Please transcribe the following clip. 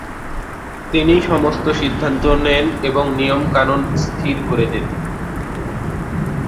তিনিই সমস্ত সিদ্ধান্ত নেন এবং নিয়মকানুন স্থির করে দেন।